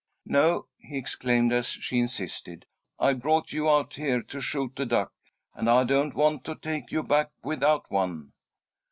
"No," he exclaimed, as she insisted. "I brought you out here to shoot a duck, and I don't want to take you back without one."